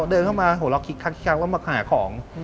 เดินเข้ามาหัวเราะคิ๊กแล้วก็มาหาของ